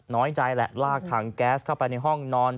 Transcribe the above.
น้อยใจแหละลากถังแก๊สเข้าไปในห้องนอน